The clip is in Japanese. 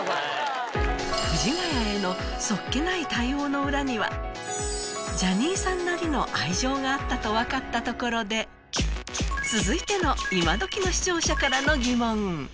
藤ヶ谷へのの裏にはジャニーさんなりの愛情があったと分かったところで続いての今どきの視聴者からの疑問